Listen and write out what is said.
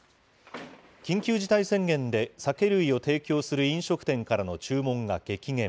緊急事態宣言で酒類を提供する飲食店からの注文が激減。